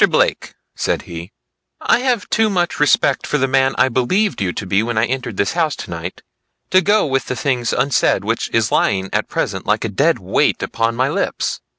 Blake," said he, "I have too much respect for the man I believed you to be when I entered this house to night, to go with the thing unsaid which is lying at present like a dead weight upon my lips.